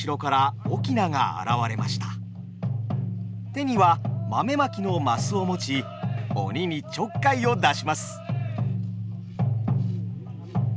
手には豆まきの升を持ち鬼にちょっかいを出します。